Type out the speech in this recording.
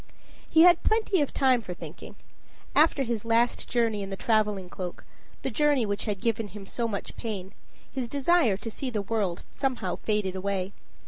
He had plenty of time for thinking. After his last journey in the traveling cloak, the journey which had given him so much pain, his desire to see the world somehow faded away.